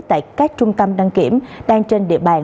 tại các trung tâm đăng kiểm đang trên địa bàn